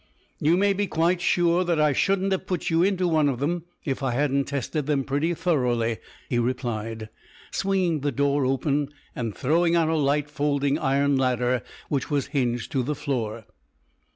"You may be quite sure that I shouldn't have put you into one of them if I hadn't tested them pretty thoroughly," he replied, swinging the door open and throwing out a light folding iron ladder which was hinged to the floor.